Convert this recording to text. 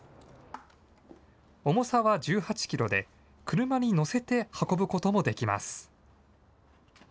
重さは１８キロで、車に載せて運ぶこともできます。